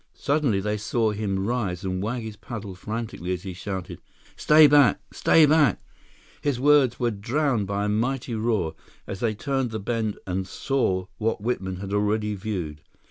Suddenly they saw him rise and wag his paddle frantically as he shouted: "Stay back—stay back—" His words were drowned by a mighty roar as they turned the bend and saw what Whitman had already viewed.